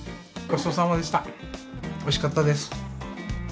おいしかったです。